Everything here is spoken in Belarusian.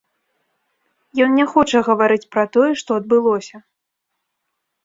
Ён не хоча гаварыць пра тое, што адбылося.